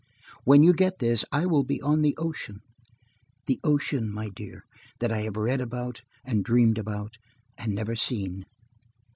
When you get this, I will be on the ocean, the ocean, my dear, that I have read about, and dreamed about, and never seen.